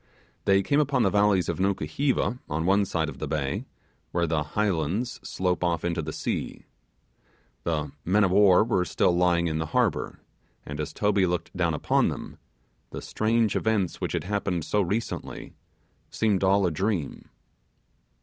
They came upon the valleys of Nukuheva on one side of the bay, where the highlands slope off into the sea. The men of war were still lying in the harbour, and as Toby looked down upon them, the strange events which had happened so recently, seemed all a dream.